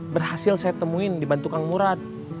berhasil saya temuin di bantukan murad